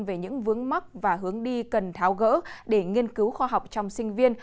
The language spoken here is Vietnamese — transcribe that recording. về những vướng mắc và hướng đi cần tháo gỡ để nghiên cứu khoa học trong sinh viên